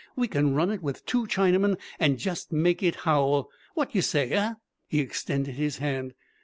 We can run it with two Chinamen and jest make it howl! Wot yer say eh?" He extended his hand.